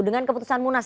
dengan keputusan munas